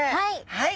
はい。